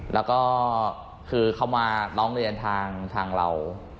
แล้วก็คือเขามาร้องเรียนทางเรา